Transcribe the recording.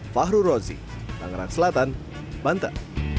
fahru rozi tangerang selatan banten